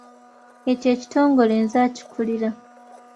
Ekyo ekitongole nze akikulira.